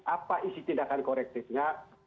apa isi tindakan korektifnya